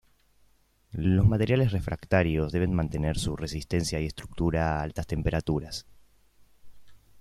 Los materiales refractarios deben mantener su resistencia y estructura a altas temperaturas.